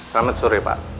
selamat sore pak